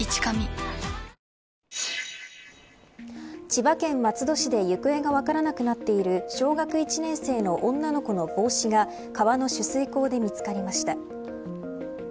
千葉県松戸市で行方が分からなくなっている小学１年生の女の子の帽子が川の取水口で見つかりました。